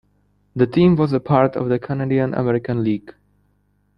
The team was a part of the Canadian-American League.